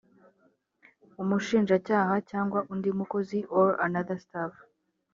umushinjacyaha cyangwa undi mukozi or another staff